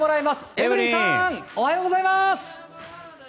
エブリンさんおはようございます！